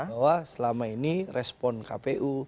bahwa selama ini respon kpu